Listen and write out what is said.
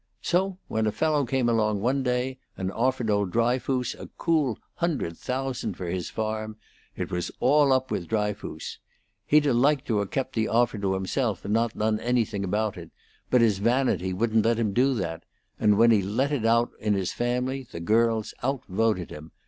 So when a fellow came along one day and offered old Dryfoos a cool hundred thousand for his farm, it was all up with Dryfoos. He'd 'a' liked to 'a' kept the offer to himself and not done anything about it, but his vanity wouldn't let him do that; and when he let it out in his family the girls outvoted him.